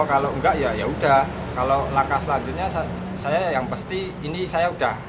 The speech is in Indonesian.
kalau enggak ya udah kalau langkah selanjutnya saya yang pasti ini saya udah